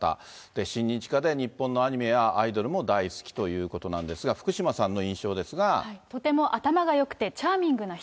親日家で日本のアニメやアイドルも大好きということなんですが、とても頭がよくて、チャーミングな人。